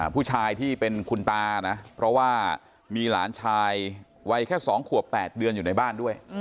ผู้ชายที่เป็นคุณตานะเพราะว่ามีหลานชายวัยแค่๒ขวบ๘เดือนอยู่ในบ้านด้วย